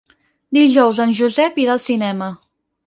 Dijous en Josep irà al cinema.